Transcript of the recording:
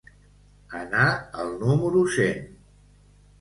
Anar al número cent.